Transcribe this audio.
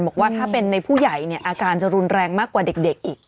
บอกว่าถ้าเป็นในผู้ใหญ่เนี่ยอาการจะรุนแรงมากกว่าเด็กอีก